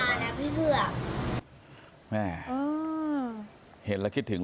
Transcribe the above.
ลูกเลือดจุดไรกันลูก